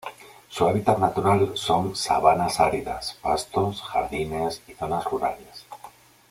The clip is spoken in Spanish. Su hábitat natural son sabanas áridas, pastos, jardines y zonas rurales.